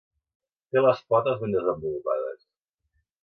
Té les potes ben desenvolupades.